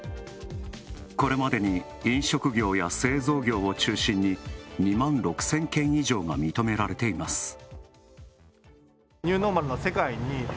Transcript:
これまでに飲食業や製造業を中心に２万６０００件以上が認められています。